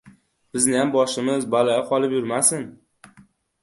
— Bizniyam boshimiz baloga qolib yurmasin.